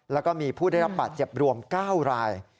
แล้วก็มีผู้ได้รับบาดเจ็บรวม๙ราย